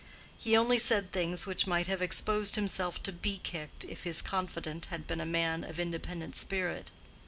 He only said things which might have exposed himself to be kicked if his confidant had been a man of independent spirit.